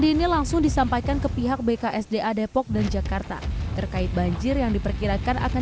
ini langsung disampaikan ke pihak bksda depok dan jakarta terkait banjir yang diperkirakan akan